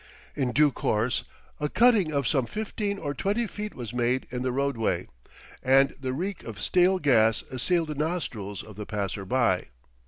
In due course a cutting of some fifteen or twenty feet was made in the roadway, and the reek of stale gas assailed the nostrils of the passer by.